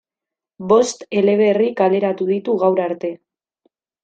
Bost eleberri kaleratu ditu gaur arte.